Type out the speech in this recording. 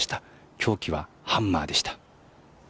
凶器はハンマーでした。